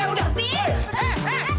udah eh eh eh